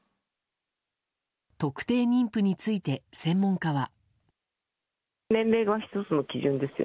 特定妊婦について専門家は。